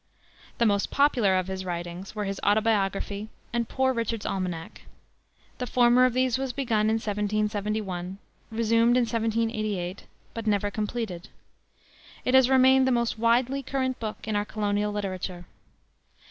The most popular of his writings were his Autobiography and Poor Richard's Almanac. The former of these was begun in 1771, resumed in 1788, but never completed. It has remained the most widely current book in our colonial literature.